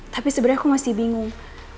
tapi sebenarnya aku masih bingung